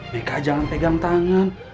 meka jangan pegang tangan